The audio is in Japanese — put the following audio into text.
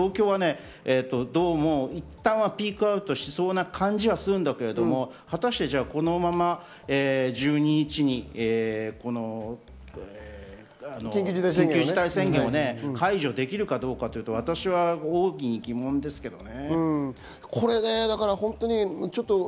東京はいったんピークアウトしそうな感じはするけれど、果たしてこのまま１２日に緊急事態宣言を解除できるかどうかっていうと私は大いに疑問ですけどね。